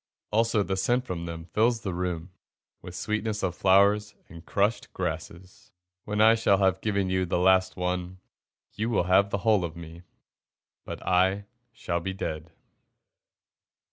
Also the scent from them fills the room With sweetness of flowers and crushed grasses. When I shall have given you the last one, You will have the whole of me, But I shall be dead.